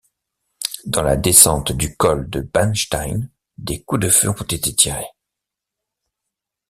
Dans la descente du col de Bannstein, des coups de feu ont été tirés.